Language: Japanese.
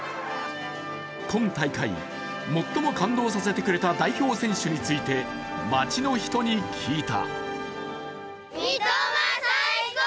今大会、最も感動させてくれた代表選手について街の人に聞いた。